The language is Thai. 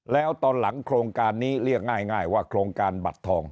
แล้วตอนหลังโครงการนี้เรียกง่ายว่าโครงการบัตรทอง